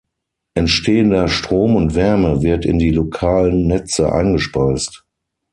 Entstehender Strom und Wärme wird in die lokalen Netze eingespeist.